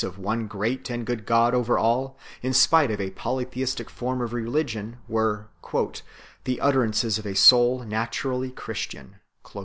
55 of one great and good God over all, in spite of a poly theistic form of religion, were " the utterances of a soul naturally Christian" 1 .